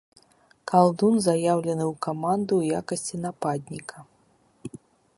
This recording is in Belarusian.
Калдун заяўлены ў каманду ў якасці нападніка.